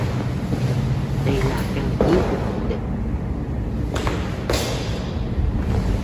Đây là căn cứ của bọn địch